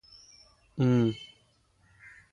ഉം